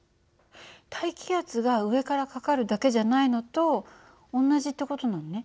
大気圧が上からかかるだけじゃないのと同じって事なのね。